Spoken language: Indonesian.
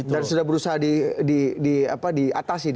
dan sudah berusaha diatasi